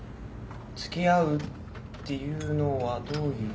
つきあうっていうのはどういう。